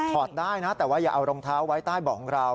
ได้นะแต่ว่าอย่าเอารองเท้าไว้ใต้เบาะของเรา